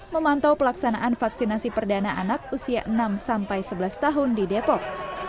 memantau pelaksanaan vaksinasi perdana anak usia enam sampai sebelas tahun di depok